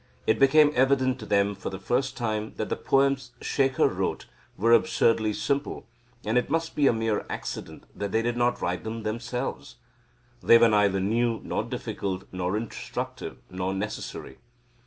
It became evident to them for the first time that the poems Shekhar wrote were absurdly simple, and it must be a mere accident that they did not write them themselves. They were neither new, nor difficult, nor instructive, nor necessary.